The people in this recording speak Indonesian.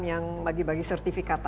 yang bagi bagi sertifikat